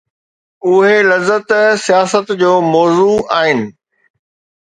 اهي لذت، سياست جو موضوع آهن.